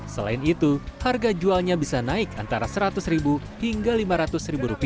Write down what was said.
selain itu harga jualnya bisa naik antara rp seratus hingga rp lima ratus